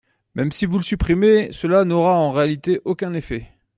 Même si vous le supprimez, cela n’aura en réalité aucun effet.